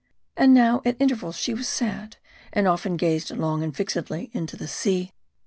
And now, at intervals, she was sad, and often gazed long and fixedly into the sea.